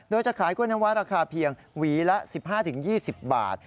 โดยจะขายกล้วยน้ำว้าราคาเพียงหวีละ๑๕๒๐บาท